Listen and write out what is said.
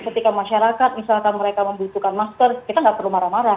ketika masyarakat misalkan mereka membutuhkan masker kita nggak perlu marah marah